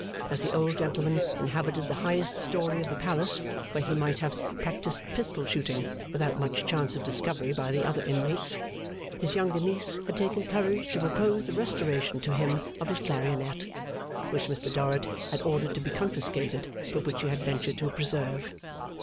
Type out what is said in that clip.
As the old gentleman inhabited the highest story of the palace, where he might have practised pistol shooting without much chance of discovery by the other inmates, his younger niece had taken courage to propose the restoration to him of his clarionet, which Mr Dorrit had ordered to be confiscated, but which she had ventured to preserve.